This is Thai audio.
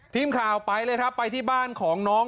ทีมข่าวไปเลยครับไปที่บ้านของน้อง